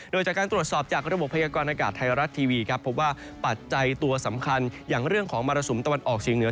โดยจากการตรวจสอบจากระบบพยากรณากาศไทยรัฐทีวีครับพบว่าปัจจัยตัวสำคัญอย่างเรื่องของมรสุมตะวันออกเฉียงเหนือ